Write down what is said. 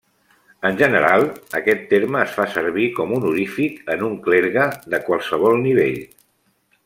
En general aquest terme es fa servir com honorífic en un clergue, de qualsevol nivell.